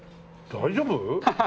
大丈夫？